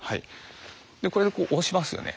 これでこう押しますよね。